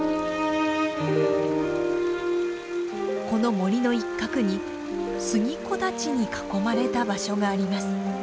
この森の一角に杉木立に囲まれた場所があります。